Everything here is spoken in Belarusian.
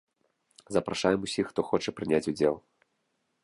Запрашаем усіх, хто хоча прыняць удзел.